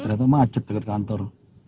ternyata macet dekat kantor